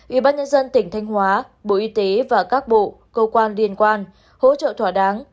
ủy ban nhân dân tỉnh thanh hóa bộ y tế và các bộ cơ quan liên quan hỗ trợ thỏa đáng